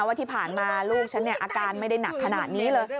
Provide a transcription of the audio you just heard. ว่าที่ผ่านมาลูกฉันอาการไม่ได้หนักขนาดนี้เลย